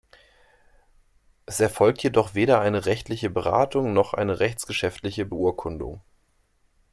Es erfolgt jedoch weder eine rechtliche Beratung noch eine rechtsgeschäftliche Beurkundung.